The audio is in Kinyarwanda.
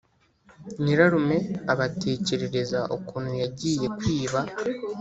nyirarume abatekerereza, ukuntu yagiye kwiba,